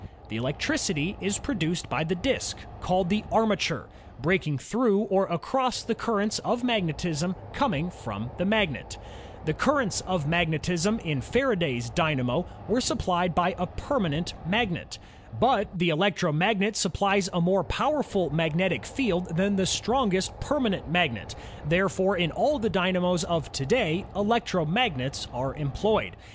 The electricity is produced by the disk, called the armature, breaking through or across the currents of magnetism coming from the magnet. INVENTORS AMD INVENTIONS — 6 82 INVENTIONS OF STEAM AND ELECTRIC POWER The currents of magnetism in Faraday's dynamo were supplied by a permanent magnet. But the electromagnet supplies a more powerful magnetic field than the strongest permanent magnet; therefore in all the dynamos of to day, electromagnets are employed.